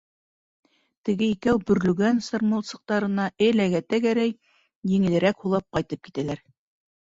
Теге икәү бөрлөгән сырмалсыҡтарына эләгә-тәгәрәй, еңелерәк һулап ҡайтып китәләр.